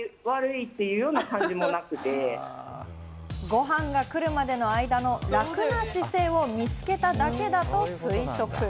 ご飯が来るまでの間の楽な姿勢を見つけただけだと推測。